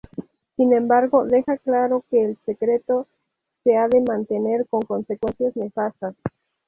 Sin embargo, deja claro que el secreto se ha de mantener, con consecuencias nefastas.